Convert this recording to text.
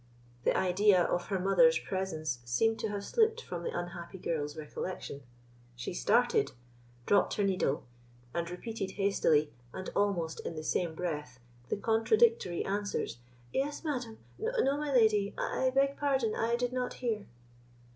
The idea of her mother's presence seemed to have slipped from the unhappy girl's recollection. She started, dropped her needle, and repeated hastily, and almost in the same breath, the contradictory answers: "Yes, madam—no, my lady—I beg pardon, I did not hear."